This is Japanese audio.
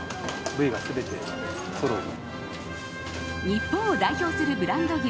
日本を代表するブランド牛